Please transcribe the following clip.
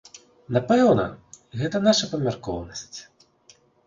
Напэўна, гэта наша памяркоўнасць.